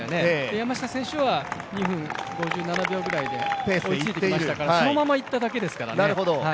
山下選手は２分５７秒ぐらいで追いついていましたから、そのまま行っただけですからね。